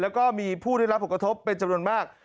แล้วก็มีผู้ได้รับผลกระทบเป็นจำนวนมาก